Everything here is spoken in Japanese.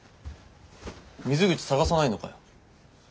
水口捜さないのかよ。